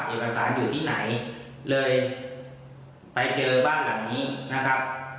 เอกสารอยู่ที่ไหนเลยไปเจอบ้านหลังนี้นะครับ